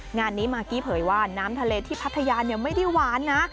งานนี้มากกี้เผยว่าน้ำทะเลที่พัทยาไม่ได้หวานนะ